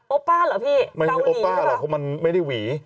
โอป้าเหรอพี่เขาหลีหรือเปล่าโอป้าเหรอเพราะมันไม่ได้หวี